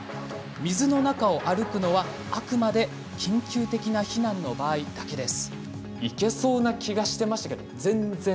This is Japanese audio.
水の中を歩くのは、あくまでも緊急的な避難の場合だけです。